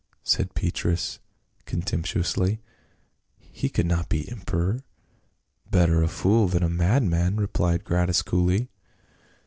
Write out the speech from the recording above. said Petrus contemptuously. " He could not be emperor." " Better a fool than a madman," replied Gratus coolly.